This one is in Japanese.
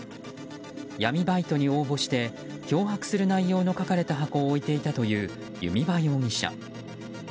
闇バイトに応募して脅迫する内容の書かれた箱を置いていたという弓場容疑者。